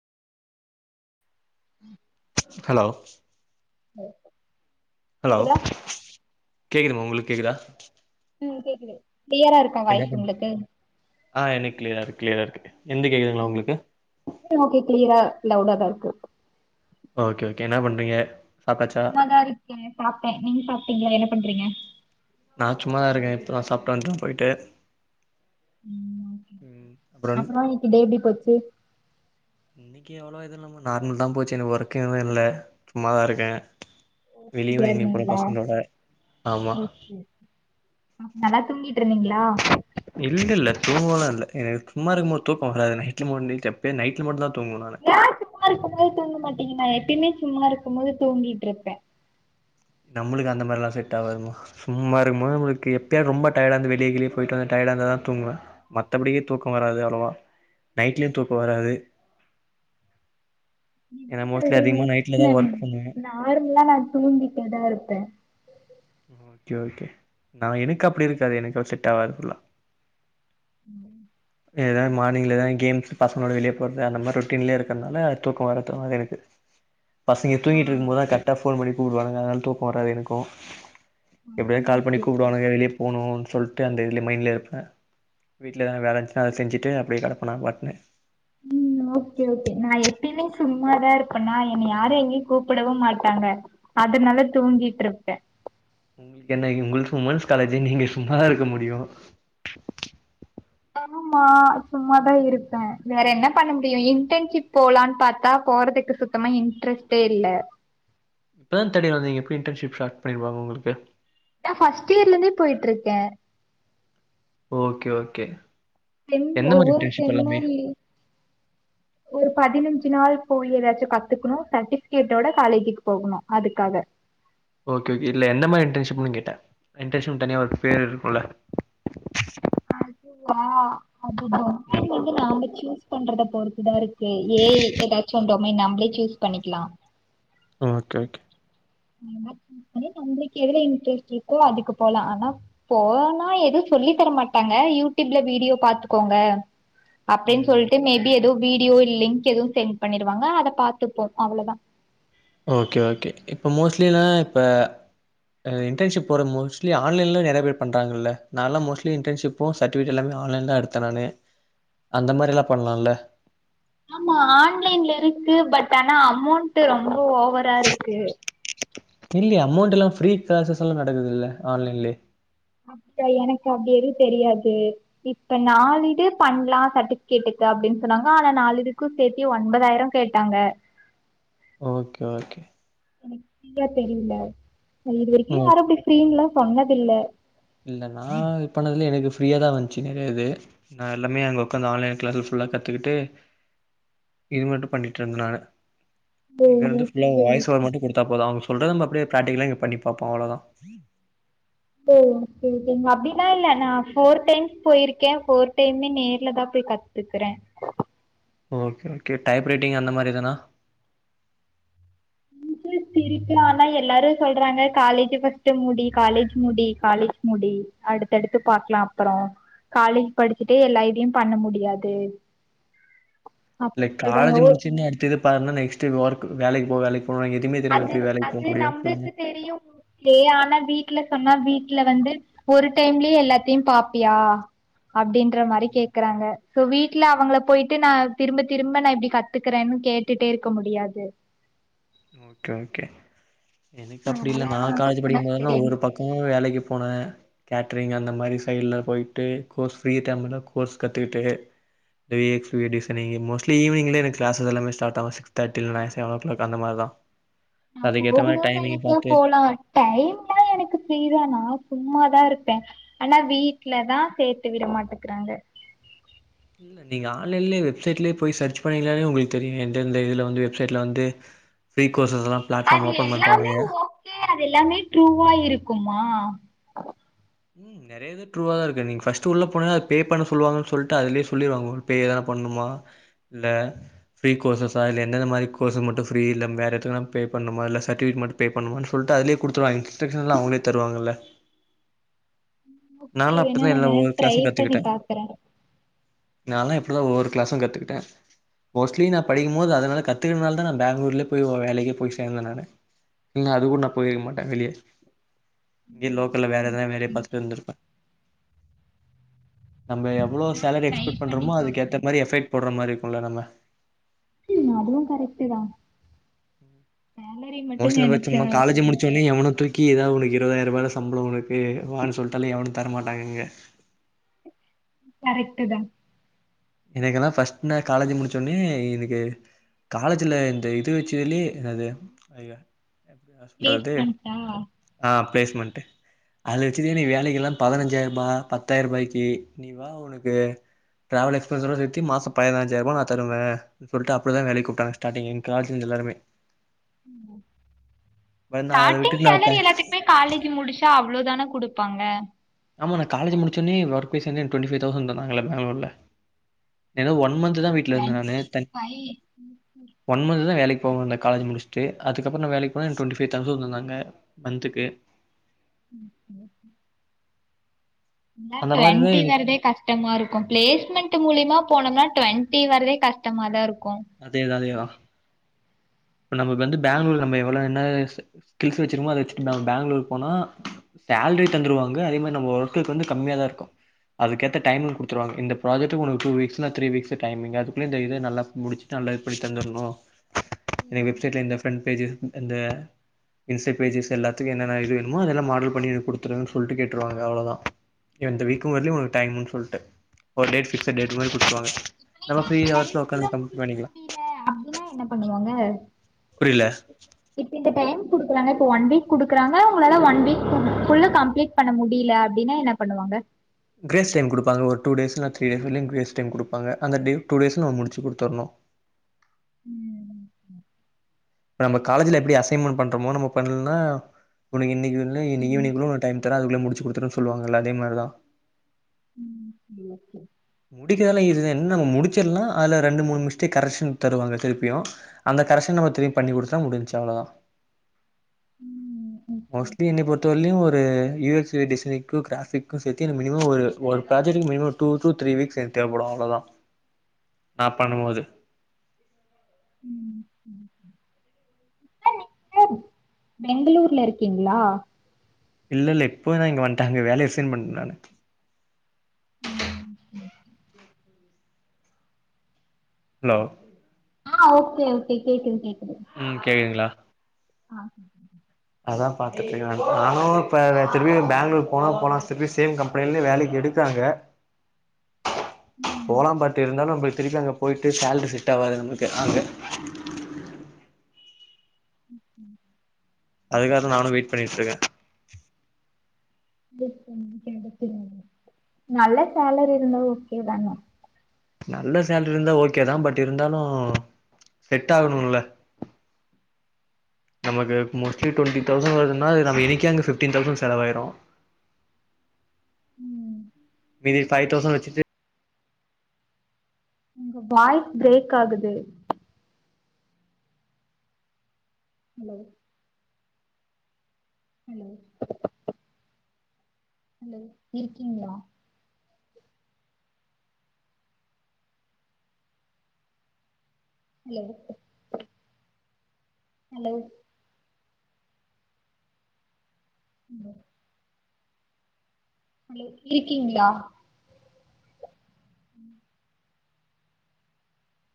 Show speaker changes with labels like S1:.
S1: உஹம்
S2: hello
S1: பேப்ப
S2: hello கேக்குதுமா உங்களுக்கு கேக்குதா
S1: உஹம் கேக்குது கிளியரா இருக்கா
S2: என்ன
S1: வாய்ஸ் உங்களுக்கு
S2: கிளியராருக்கு
S1: ம் ஓகே கிளியரா லைவுடா தா இருக்கு
S2: ஓகே ஓகே என்ன பண்றீங்க சாப்ட்டாச்சா
S1: சும்மாதா இருக்கே சாப்டே நீங்க சாப்டீங்களா என்ன பண்றீங்க
S2: நா சும்மாதா இருக்கே இப்ப தா சாப்டு வந்துடோ போயிட்டு
S1: ம் ஓகே ஓகே
S2: ம் அப்றோ
S1: அப்பறோ இன்னைக்கு டே எப்டி போச்சு
S2: இன்னைக்கு அவ்வளலோ இது இல்லமா நார்மல் தா போச்சு எனக்கு ஒர்க் எதும் இல்ல சும்மாதா இருக்கே
S1: அப்டியா
S2: வெளியவு எங்கயு போல
S1: இருந்தீங்களா
S2: பசங்களோட ஆமா
S1: ஓகே ம்மா நல்லா தூங்கி ட்டுருந்தீங்களா
S2: இல்ல இல்ல தூங்கவுலா இல்ல எனக்கு சும்மா இருக்கு போது தூக்கோ வராது நைட்ல மோர்னிங் செப்தே நைட்ல மட்டு தா
S1: ஏ சும்மா இருக்கு போது தூங்க மாட்டீங்க நைட் எப்பயுமே சும்மா இருக்குபோது தூங்கிட்டு இருப்பே
S2: நம்மளுக்கு அந்த மாரிலா செட் ஆவாதுமா சும்மா இருக்குபோது நம்மளுக்கு எப்பயாவது ரொம்ப டயடாருந்து வெளிய கிழிய போயிட்டு வந்து டய டயடாருந்தா தா தூங்குவே மத்தபடியே தூக்கோ வராது அவ்ளோவா நைட்லயு தூக்கோ வராது ஏன்னா
S1: இப்டி
S2: மோஸ்ட்லி
S1: சொல்லுறீங்க
S2: அதிகமா நைட்ல தா
S1: ந
S2: ஒர்க் பண்ணுவே
S1: நார்மல்லா நா தூங்கிட்டேதா இருப்பே
S2: ஆ ஓகே ஓகே நா எனக்கு அப்டி இருக்காது எனக்கு செட் ஆவாது ஃபுல்லா
S1: ம்
S2: ஏதாவது மார்னிங்லா கேம்ஸ் பசங்களோட வெளிய போடுறது அந்த மாரி ரொட்டீன்லயே இருக்கிறனால தூக்கோ வராது அது எனக்கு பசங்க தூங்கிட்டு இருக்கு போதுதா கரெக்டா போன் பண்ணி கூப்பிடுவாங்க அதனால தூக்கோ வராது எனக்கு எப்டியாவது கால் பண்ணி
S1: அதனாலயா
S2: கூப்பிடுவானுங்க வெளிய போணுனு சொல்ட்டு, அந்த இதுல மைண்ட்லயே இருப்பே வீட்ல எதா வேலை இருந்துச்சுனா அத செஞ்சுட்டு அப்டியே கெடப்பே நா பாட்னு
S1: ம். ஓகே ஓகே நா எப்பயமே சும்மாதா இருப்பேனா என்னை யாரு எங்கேயு கூப்புடவு மாட்டாங்க சாப்டுட்டு நல்லா தூங்கிட்டு இருப்பே
S2: உங்களுக்கு என்ன உங்களுஸ்க்கு உமன்ஸ் காலேஜு நீங்க சும்மாதா இருக்க முடியு
S1: ஆமா சும்மாதா இருப்பே வேற என்ன பண்ண முடியு இன்டர்ன்ஷிப் போலானு பாத்தா போறது க்கு சுத்தமா இன்ட்ரெஸ்ட்டே இல்ல
S2: இப்பதான தேடியர் வந்தீங்க எப்டி இன்டர்ன்ஷிப் ஸ்டார்ட் பண்ணிடுவாங்க உங்களுக்கு
S1: நா ஃபஸ்ட்டு இயர்லிந்தே போயிட்டு இருக்கே
S2: ஓகே ஓகே
S1: செம்
S2: எந்த மாரி
S1: ஒவ்வோர்
S2: இன்டர்ன்ஷிப் எல்லாமே
S1: செம்மொழி ஒரு பதினஞ்சு பத்து நாள் போயி எதயாச்சு கத்துக்குணோ சர்ட்டிஃபிகேடோட காலேஜுக்கு போகணோ அதுக்காக.
S2: ஓகே ஓகே இல்ல எந்த மாரி இன்டர்ன்ஷிப்னு கேட்டே இன்டர்ன்ஷிப்னு தனியா ஒரு பேர் இருக்கோல
S1: அதுவா அது வந்து
S2: ம்
S1: [unintelligible] சூஸ் பண்றத பொறுத்துதா இருக்கு ஏ இ ஏதாச்சு உண்டோமே நம்ளே சூஸ் பண்ணிக்குலா
S2: ஓகே ஓகே
S1: [unintelligible] நம்மளுக்கு எது இன்ட்ரெஸ்ட் இருக்கோ அதுக்கு போலா ஆனா போனா எது சொல்லி தர மாட்டாங்க யூ டியூப்ல வீடியோ பா்த்துக்கோங்க அப்டின்னு
S2: ம்
S1: சொல்ட்டு மே பி எதுவு வீடியோ லிங்க் எதுவு சென்ட் பண்ணிருவாங்க அத பாத்துப்போ அவ்ளோதா
S2: ஓகே ஓகே இப்போ மோஸ்ட்லினா இப்ப இன்ர்ன்ஷிப் போற மோஸ்ட்லி ஆன்லைன்ல நறைய பேர் பண்றாங்கல்ல நாலா மோஸ்ட்லி இன்டர்ன்ஷிப்போ சர்டிகேட் எல்லாமே ஆன்லைன்ல எடுத்தே நானு அந்த மாரிலா பண்ணலால
S1: ஆமா ஆன்லைன்ல இருக்கு பட் ஆனா அமௌண்ட்டு ரொம்போ ஓவரா இருக்கு
S2: இல்லயே அமௌண்ட்டுலா ஃப்ரீ கிளாசஸ் எல்லா நடக்குது இல்ல ஆன்லைன்லயே
S1: அப்டியா எனக்கு அப்டி எதுவு தெரியாது இப்ப நாலு இது பண்லா சர்ட்டிஃபிகேட்டுக் அப்டின்னு சொன்னாங்க ஆனா நாலுதுக்கு சேத்தியே ஒன்பதாயிரோ கேட்டாங்க
S2: ஓகே ஓகே
S1: எனக்கே ஃப்ரீயா தெரியுல இது வெரிக்கு
S2: ம்
S1: யாரு அப்டி ஃப்ரீலா சொன்னதில்ல
S2: இல்ல நா இது பண்ணதுலயே எனக்கு ஃப்ரீயா தா வந்ச்சு நறைய இது நா எல்லாமே அங்க ஒக்காந்து ஆன்லைன் கிளாஸ்ல ஃபுல் லா கத்துக்கிட்டு இது மட்டு பண்ணிட்டு இருந்த நானு
S1: ஓ
S2: இங்க இருந்து ஃபுல்லா
S1: ஓகே
S2: வாயஸ்ஓவர் மட்டு குடுத்தா போதோ அவுங்க சொல்றத நம்ம அப்டியே பிராக்டிகலா இங்க பண்ணி பாப்போ அவ்ளோதா
S1: [unintelligible] அப்டீன்னா இல்ல நா ஃபோர் டைம்ஸ் போயிருக்கே ஃபோர் டைம்மே நேர்லதா கத்துக்குறே
S2: ஓகே ஓகே டைப் ரைட்டிங் அந்த மாரி எதனா
S1: இருப்பி ஆனா எல்லாரு சொல்றாங்க காலேஜ் ஃபஸ்ட்டு முடி காலேஜ் முடி காலேஜ் முடி அடுத்தடுத்து பாக்கலா அப்புறோ காலேஜ் படிச்சுட்டே எல்லா இதயு பண்ண முடியாது
S2: இல்ல
S1: அப்படி
S2: காலேஜ்
S1: சொல்கிறாங்க
S2: முடிச்சுன்னே அடுத்தது பாருன்னா நெக்ஸ்ட்டு ஒர்க் வேலைக்கு போ வேலைக்
S1: அது அது நம்னபுளுக்கு தெரியு ஓகே ஆனா வீட்ல சொன்னா வீட் ட்ல வந்து ஒரு டைம்லயே எல்லாத்தையு பாப்பியா அப்டீன்ற மாரி கேக்குறாங்க சோ வீட்ல அவுங்கள போயிட்டு நா திரும்ப திரும்ப நா இப்டி கத்துக்கறேனு கேட்டுட்டே இருக்க முடியாது
S2: ஓகே ஓகே எனக்கு அப்புடி
S1: அதனால
S2: இல்ல நா
S1: அவங்க
S2: காலேஜ்
S1: சொன்னா
S2: படிக்கும்போதோ
S1: சரின்னு
S2: ஒவ்வோரு
S1: விட்டு
S2: பக்கமோ வேலைக்கு போனே கேட்ரிங் அந்த மாரி சைடு்ல போயிட்டு கோர்ஸ் ஃப்ரீ டைம்ல கோர்ஸ் கத்துக்கிட்டு three X V designing mostly ஈவ்னிங்லயே எனக்கு க்ளாஸஸ் எல்லாமே ஸ்டார்ட் ஆவோ சிக்ஸ் தர்ட்டிலந்து செவன் ஓ க்ளாக் அந்த மார்தா
S1: நா போகணோனு நெனைச்சா
S2: பாத்து
S1: போலா டைம்லா எனக்கு ஃப்ரீதாண்ணா சும்மாதா இருப்பே ஆனா வீட்லதா சேத்து விட மாட்டுக்கிறாங்க
S2: இல்ல நீங்க ஆன்லைன்லயே வெப்சைட்லயே போய் சர்ச் பண்ணீங்கனாலே உங்குளுக்கு தெரியுமே எந்தெந்த இதுல வந்து வெப்சைட்ல வந்து ஃப்ரீ கோர்சஸ்லாம் பிளாட்ஃபார்ம்
S1: அது
S2: ஓப்பன் பண்றாங்க
S1: எல்லாமே ஓகே அது எல்லாமே ட்ரூவா இருக்குமா
S2: ம் நறைய இது ட்ரூவாதா இருக்கு நீங்க ஃபர்ஸ்ட்டு உள்ள போனா அது பே பண்ண சொல்லுவாங்கனு சொல்ட்டு அதுலயே சொல்லிருவாங்க கூகுள் பே எதனா பண் ணனுமா இல்ல ஃப்ரீ கோர்ஸஸ்ஸா இல்ல எந்த எந்த மாரி கோர்ஸு மட்டு ஃப்ரீ இல்ல வேற எதானா பே பண்ணனுமா இல்ல சர்டி இது மட்டு பே பண்ணனுமா சொல்ட்டு அதுலயே குடுத்துடுவாங்க இன்ஸ்ட்ரக்ஸன்ஸ்லா அவுங்களே தருவாங்கல்ல
S1: ஓகே
S2: நாலா
S1: வேணா
S2: அப்டிதா
S1: நா
S2: எல்லா
S1: வேணா
S2: ஒவ்வோரு
S1: ட்ரை
S2: கிளாஸு
S1: பண்ணி
S2: கத்துக்கிட்டே
S1: பாக்குறே
S2: நாலா இப்டிதா ஒவ்வோரு கிளாஸு கத்துக்கிட்டே மோஸ்ட்லி நா படிக்கும் போது அதனால கத்துக்கனதாலதா நா பெங்களூர்லேய போய் வேலைக்கு போய் சேந்த நானு இல்ல அது கூட நா போயிருக்க மாட்ட வெளிய இங்கேயே லோக்கல்ல வேற எதனா வேலைய பாத்துட்டு இருந்திருப்பே நம்ம எவ்ளோ
S1: நா
S2: சேலரி
S1: ட்ரை
S2: எக்ஸ்பெக்ட்
S1: பண்ணி
S2: பண்றோமோ அதுக்கு ஏத்த
S1: பாக்குறே
S2: மாரி எஃபெக்ட் போடுற மாரி இருக்குல நம்ம
S1: ம் அதுவு கரெக்டுதா
S2: மோஸ்ட்லி நம்ம சும்மா காலேஜ் முடிச்சோவுடனே எவனு தூக்கி எதாவது ஒன்னு இருபதாய ரூபாயல சம்பளம் உனக்கு வானு சொல்லிட்டாலு எவனு தரமாட்டாங்கங்க
S1: கரெக்ட் தா
S2: எனக்குல்லா பர்ஸ்ட் நா காலேஜ் முடிச்சோடனே எனக்கு காலேஜ்ல இந்த இது வச்சதுலயே அது ஐயா என்ன
S1: பேஸ்
S2: சொல்லறது
S1: பண்ட்டா
S2: ஆ பிளேஸ்மெண்ட் அதுல வச்சுதா இன்னிக்கி வேலைக்கு எல்லா பதினஞ்சாயிர ரூபாய பத்தாயிர ரூபாய்க்கு நீ வா உனக்கு டிராவல் எக்ஸ் பஸோட சேத்தி மாசோ பதினஞ்சாயிர ரூபா நா தருவ சொல்ட்டு அப்டிதா வேலக்கு கூப்பிட்டாங்க ஸ்டிங் எங்க காலேஜ்ல எல்லாருமே
S1: ம்
S2: பட் நான் அத
S1: ஸ்டாடிங்
S2: விட்டுட்டு
S1: சேலரி
S2: நான்
S1: எல்லாத்துக்குமே காலேஜ் முடிச்சா அவ் ளோதான குடுப்பாங்க
S2: ஆமா நா காலேஜ் முடுச்சோடனே ஒர்க் போய் சேந்த டுவெண்டிஃபைவ் தௌசண்ட் தந்தாங்கள பெங்களூர்ல ஏத ஒன் மந்த்
S1: ஓ
S2: தா வீட்டுல இருந்த நான்னு தன் ஒன் மந்த் தா வேலைக் போவ அந்த காலேஜ் முடிச்சுட்டு அதுக்கப்புற நா வேலைக்கு போன எனக்கு டுவெண்ட்டி ஃபைவ் தௌசன்ஸ் தந்தாங்க மன்துக்கு
S1: ம் எல்லா
S2: அந்த மாரிதான்
S1: ட்வெண்ட்டி
S2: எனக்கு
S1: வர்தே கஷ்டமா இருக்கு பிளேஸ்மெண்ட் மூலியமா போனோம்னா ட்வெண்ட்டி வரதே கஷ்டமா தா இருக்கு
S2: அதே தா அதே தா இப்ப நம்ம வந்து பேங்களூர் நம்ம எவ்வள என்ன ஸ்கில்ஸ் வச்சிருக்கமோ அத வச்சுட்டு பே பேங்களூர் போனா லேரி தந்துருவாங்க அதே மாரி நம்ம ஒர்க்கு வந்து கம்மியா தா இருக்கு அதுக்கேத்த டைமிங் குடுத்துருவாங்க இந்த ப்ராஜடுக்கு உனக்கு டூ வீக்ஸ்ன்னா த்ரீ வீக்ஸ் டைமிங் அதுக்குள்ள இந்த இத நல்ல முடிச்சு நல்ல இது பண்ணி தந்துரணும் எனக்கு வெப்சைட்ல இந்த பிரண்ட் பேஜ் இந்த இன்சைட் பேஜசஸ் எல்லத்துக்கு என்னென்ன இது வேன்ணுமோ அதெல்லாம் மாடல் பண்ணி குடுத்துருன்னு சொல்லி கேட்டுருவாங்க அவ்ளவுதா எந்த வீக்கும் வரலயு உனக்கு டைமுன்னு சொல்ட்டு ஒரு டேட் பிக்சட் டேட் மாரி குடுத்துருவாங்க நம்ம ஃப்ரீ ஹவர்ஸ்ல உகாந்து கம்ப்ளீட் பண்ணிக்கலா
S1: முடில்ல அப்டின்னா என்ன பண்ணுவாங்க
S2: புரில
S1: இப்ப இந்த டைம் குடுக்குறாங்க இப்ப ஒன் வீக் குடுக்குறாங்க உங்களால ஒன் வீக் குள்ள கம்ப்ளீட் பண்ண முடியல அப்டின்னா என்னாப் பண்ணுவாங்க
S2: கிரேஸ் டைம் குடுப்பாங்க ஒரு டூ டேஸ் இல்ன்னா த்ரீ டேஸ்லையு கிரேஸ் டைம் குடுப்பாங்க அந்த டியூ டூ டேஸ்ல முடிச்சு குடுத்துரணு [inaudible]
S1: ம்
S2: இப்ப நம்ம காலேஜ்ல எப்டி அசைன்மெண்ட் பண்றோமோ நம்ம பண்ணல்லனா உனக்கு இன்னிக்குள்ள இன்னி ஈவின்குள்ள உனக்கு டைம் தர அதுகுள்ள முடிச்சி குடுத்தரனுன்னு சொல்லுவாங்கல்ல அதே மாரதா [inaudible] முடிக்கிறதுல்ல ஈசி தா என்ன முடிச்சரலா அதுல ரெண்டு மூணு மிஸ்டேக் கரெஷன் தருவாங்க திருப்பியு அந்த கரைசன் நம்ம திரிப்பி பண்ணி குடுத்தா முடிஞ்சு அவ்ளதா மோஸ்ட்லி என்னைய பொறுத்தவருலையு ஒரு யு எஸ் டிசைனிங்க்கு கிராபிக்கு சேத்தி எனக்கு மினிமம் ஒரு ஒரு பே ஜெட்க்கு minimum two two three weeks எனக்கு தேவைப்படு அவ்ளதா நா பண்ணும் போது [inaudible]
S1: பெங்களூர்ல இருக்கீங்களா
S2: இல்ல இல்ல இப்ப நா இங்க வந்துட்ட அங்க வேலய ரிசன் பண்ணிட்ட நான்னு ஹலோ
S1: ஆ ஓகே ஓகே கேக்குது கேக்குது
S2: ம் கேக்குதுங்களா
S1: ஆ
S2: அதா பாத்துட்டு இருக்க நானு நானு இப்ப திருப்பி பேங்களூர் போனால் போனா திரிப்பி சேம் கம்பெனிலேயே வேலைக்கி எடுக்க றங்க
S1: ம்
S2: போலா பட் இருந்தாலு திருப்பி அங்க போயிட்டு சேல்ரி செட்டாவாது நம்ளுக்கு அங்க
S1: ம்
S2: அதுக்காகதா நானு வெயிட் பண்ணிட்ருக்க
S1: [unintelligible] நல்ல சேலரி இருந்தா ஓக்கேதான
S2: நல்ல சேலரிருந்தா ஓக்கேதா பட் இருந்தாலு செட்டாகணுமுல்ல நமக்கு மோஸ்லி டொண்டி தௌசண் வர்துன்னா நம்ம இனிக்கே அங்க பிஃப்டீன் தௌசண் செலவாயிரு
S1: ம்
S2: மீதி ஃபைவ் தௌசண் வச்சிட்டு
S1: உங்க வாய்ஸ் பிரேக் ஆகுது லோ ஹலோ ஹலோ இரிக்கீங்ளா ஹலோ ஹலோ [unintelligible] ஹலோ இரிக்கீங்ளா ம்